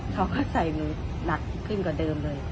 เขาก็ใส่มือหนักขึ้นกว่าเดิมเลย